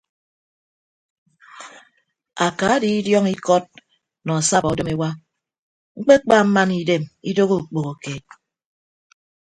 Aka die idiọñ ikọt nọ asabọ odom ewa ñkpekpa mmana idem idooho okpoho keed.